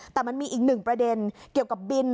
แต่มันมีอีกหนึ่งประเด็นเกี่ยวกับบิน